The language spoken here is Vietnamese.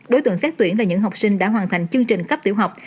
đối tượng xét tuyển là những học sinh đã hoàn thành chương trình cấp tiểu học